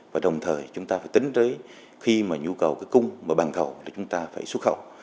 và đồng thời chúng ta phải tính tới khi mà nhu cầu cái cung mà bằng khẩu là chúng ta phải xuất khẩu